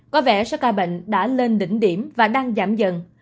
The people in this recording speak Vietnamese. có vẻ số ca bệnh đã lên đỉnh điểm và đang giảm dần